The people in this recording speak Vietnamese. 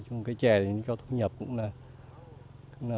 cây trẻ cho thu nhập cũng là ổn định